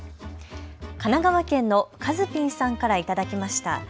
神奈川県のかずぴんさんから頂きました。